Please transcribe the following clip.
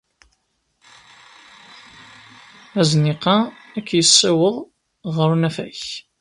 Azniq-a ad k-yessiweḍ ɣer unafag.